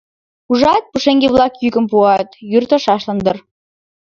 Ужат, пушеҥге-влакат йӱкым пуат, йӱр толшашлан дыр.